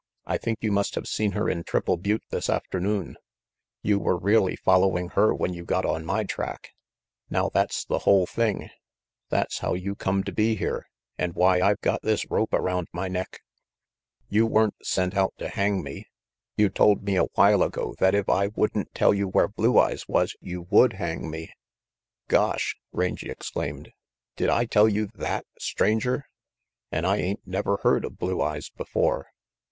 I think you must have seen her in Triple Butte this afternoon. You were really following her when you got on my track. Now that's the whole thing. That's how you come to be here, and why I've got this rope around my neck. You weren't sent out to hang me. You told me a while ago that if I wouldn't tell you where Blue Eyes was, you would hang me "Gosh!" Rangy exclaimed, "did I tell you that, Stranger? An' I ain't never heard of Blue Eyes before.